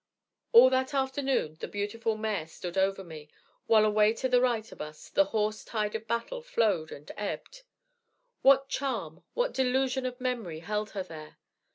"All that afternoon the beautiful mare stood over me, while away to the right of us the hoarse tide of battle flowed and ebbed. What charm, what delusion of memory held her there?